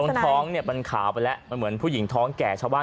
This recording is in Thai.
ท้องเนี่ยมันขาวไปแล้วมันเหมือนผู้หญิงท้องแก่ชาวบ้าน